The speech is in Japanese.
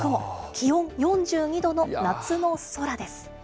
気温４２度の夏の空です。